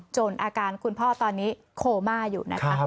อาการคุณพ่อตอนนี้โคม่าอยู่นะคะ